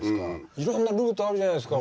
いろんなルートあるじゃないですか。